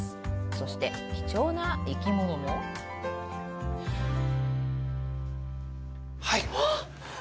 そして貴重な生き物もはいわっ！